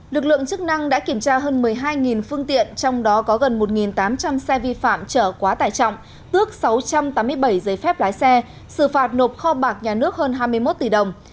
lực lượng chức năng đã kiểm tra hơn một mươi hai phương tiện trong đó có gần một tám trăm linh xe vi phạm trở quá tải trọng tước sáu trăm tám mươi bảy giấy phép lái xe xử phạt nộp kho bạc nhà nước hơn hai mươi một tỷ đồng